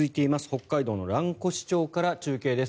北海道の蘭越町から中継です。